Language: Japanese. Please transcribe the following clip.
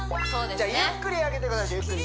じゃあゆっくり上げてください